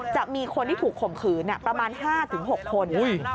จะมีคนที่ถูกข่มขืนประมาณ๕๖คน